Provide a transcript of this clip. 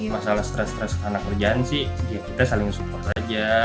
masalah stres stres anak kerjaan sih ya kita saling support aja